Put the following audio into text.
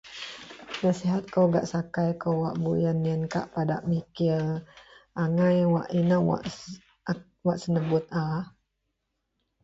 Nasihat kou gak sakai kou wak buyen yen, kak padak mikir angai wak inou wak ek wak senebut a